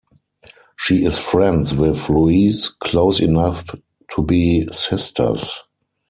She is friends with Louise, close enough to be sisters.